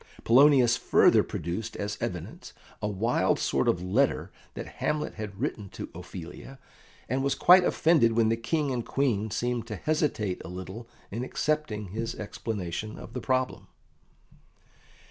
Polonius further produced as evidence a wild sort of letter that Hamlet had written to Ophelia, and was quite offended when the King and Queen seemed to hesitate a little in accepting his explanation of the problem.